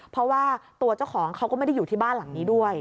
เพราะว่าตัวเจ้าของเขาก็ไม่ได้อยู่ที่บ้านหลังนี้ด้วย